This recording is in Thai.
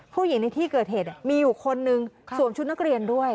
ในที่เกิดเหตุมีอยู่คนนึงสวมชุดนักเรียนด้วย